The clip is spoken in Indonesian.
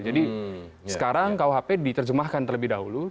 jadi sekarang kuhp diterjemahkan terlebih dahulu